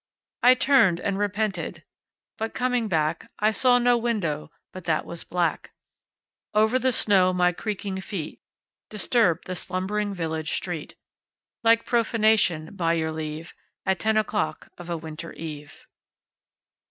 I turned and repented, but coming back I saw no window but that was black. Over the snow my creaking feet Disturbed the slumbering village street Like profanation, by your leave, At ten o'clock of a winter eve.